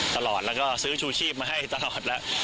ตลอดแล้วก็ซื้อชูชีพมาให้ตลอดแล้ว